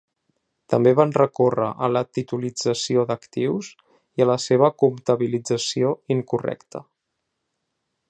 També van recórrer a la titulització d’actius i a la seva comptabilització incorrecta.